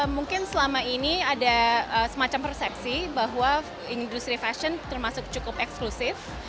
mungkin selama ini ada semacam persepsi bahwa industri fashion termasuk cukup eksklusif